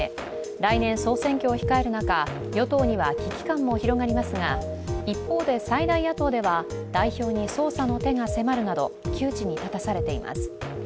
来年総選挙を控える中、与党には危機感も広がりますが、一方で最大野党では代表に捜査の手が迫るなど窮地に立たされています。